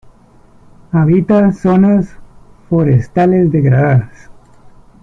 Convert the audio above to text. Habita zonas forestales degradadas.